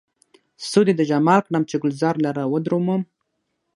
سود يې د جمال کړم، چې ګلزار لره ودرومم